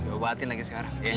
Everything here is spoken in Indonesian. obatin lagi sekarang